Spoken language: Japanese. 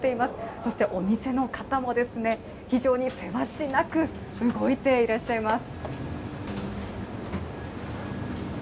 そして、お店の方も非常にせわしなく動いてらっしゃいます。